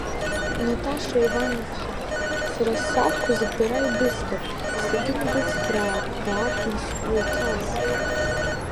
Наташа Иван-иԥҳа, сара ссаҭқәа зегьы бара ибысҭап, сагьынбыцхраап ҳәа акәын сгәы иҭаз.